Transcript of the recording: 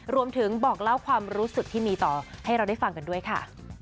บอกเล่าความรู้สึกที่มีต่อให้เราได้ฟังกันด้วยค่ะ